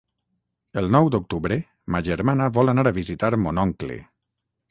El nou d'octubre ma germana vol anar a visitar mon oncle.